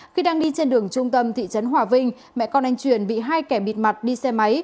khi đang đi trên đường trung tâm thị trấn hòa vinh mẹ con anh truyền bị hai kẻ bịt mặt đi xe máy